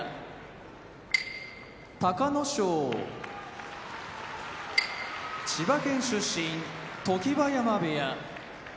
隆の勝千葉県出身常盤山部屋